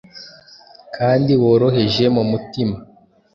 kandi woroheje mu mutima